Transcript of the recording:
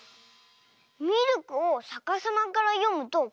ミルクをさかさまからよむとくるみ。